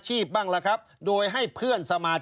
ชีวิตกระมวลวิสิทธิ์สุภาณฑ์